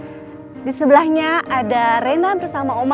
dan di sebelahnya ada rena bersama oma